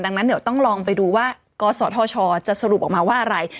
ดังนั้นเดี๋ยวต้องลองไปดูว่ากศธชจะสรุปออกมาว่าอะไร